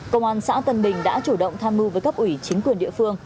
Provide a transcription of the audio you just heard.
công an xã tân bình đã chủ động tham mưu với cấp ủy chính quyền địa phương